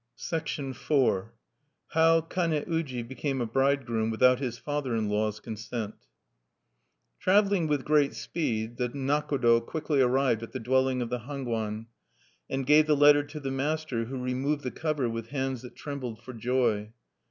IV. HOW KANE UJI BECAME A BRIDEGROOM WITHOUT HIS FATHER IN LAW'S CONSENT Traveling with great speed, the nakodo quickly arrived at the dwelling of the Hangwan, and gave the letter to the master, who removed the cover with hands that trembled for joy.